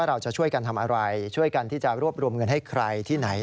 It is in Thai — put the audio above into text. เราจะช่วยกันทำอะไรช่วยกันที่จะรวบรวมเงินให้ใครที่ไหน